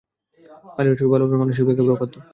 Pilot হিসাবে ভালো হলেও, মানুষ হিসাবে একেবারে অখাদ্য।